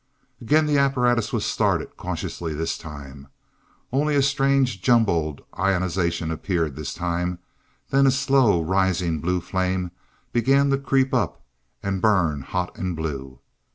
Again the apparatus was started, cautiously this time. Only a strange jumbled ionization appeared this time, then a slow, rising blue flame began to creep up, and burn hot and blue.